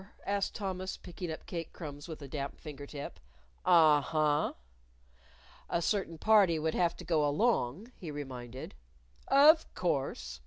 asked Thomas, picking up cake crumbs with a damp finger tip. "Uh huh." "A certain party would have to go along," he reminded. "Of course.